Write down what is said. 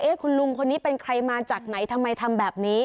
คุณลุงคนนี้เป็นใครมาจากไหนทำไมทำแบบนี้